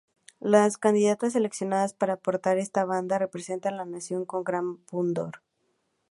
Las candidatas seleccionadas para portar esta banda representan la nación con gran pundonor.